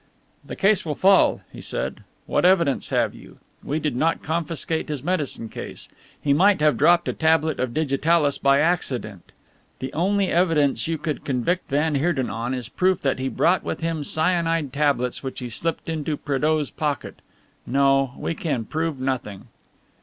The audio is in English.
"The case would fall," he said. "What evidence have you? We did not confiscate his medicine case. He might have dropped a tablet of digitalis by accident. The only evidence you could convict van Heerden on is proof that he brought with him cyanide tablets which he slipped into Prédeaux's pocket. No, we can prove nothing."